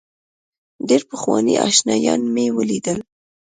ډېر پخواني آشنایان مې ولیدل.